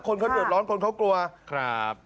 คนเขาหยุดร้อนคนเขากลัว